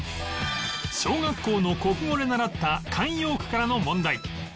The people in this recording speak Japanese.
小学校の国語で習った慣用句からの問題